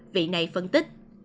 vị này phân tích